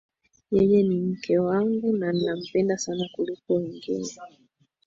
Yeye ni mke wangu na nampenda sana kuliko wengine